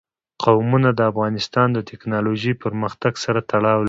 قومونه د افغانستان د تکنالوژۍ پرمختګ سره تړاو لري.